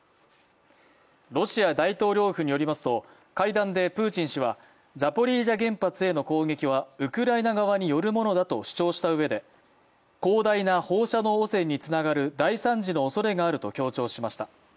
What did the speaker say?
ロシア大統領府によりますと会談でプーチン氏はザポリージャ原発への攻撃はウクライナ側によるものだと主張したうえで広大な放射能汚染につながる大惨事のおそれがあると強調しました。